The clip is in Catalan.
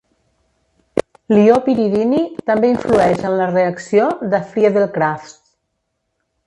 L'ió piridini també influeix en la reacció de Friedel-Crafts.